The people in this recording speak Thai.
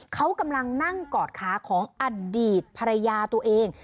เขากำลังนั่งกอดขาของอดีตภรรยาตัวเอง